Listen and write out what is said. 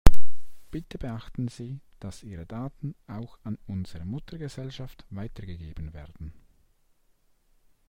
Bitte beachten Sie, dass Ihre Daten auch an unsere Muttergesellschaft weitergegeben werden.